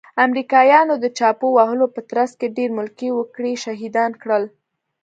امريکايانو د چاپو وهلو په ترڅ کې ډير ملکي وګړي شهيدان کړل.